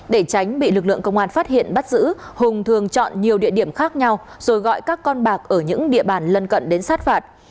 để tránh bị lực lượng công an phát hiện bắt giữ hùng thường chọn nhiều địa điểm khác nhau rồi gọi các con bạc ở những địa bàn lân cận đến sát phạt